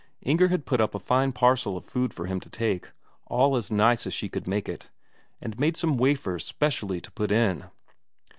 Inger had put up a fine parcel of food for him to take, all as nice as she could make it, and made some wafers specially to put in.